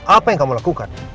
apa yang kamu lakukan